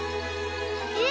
えっ！？